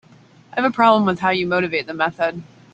I have a problem with how you motivate the method.